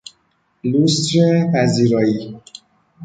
لوستر پذیرایی